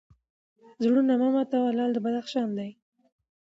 زړونه مه ماتوه لعل د بدخشان دی